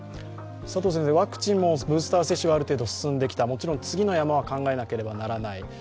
ワクチンもブースター接種がある程度進んできた、もちろん次の山は考えなければならない。